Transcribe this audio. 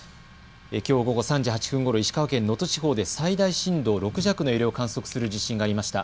きょう午後３時８分ごろ石川県能登地方で最大震度６弱の揺れを観測する地震がありました。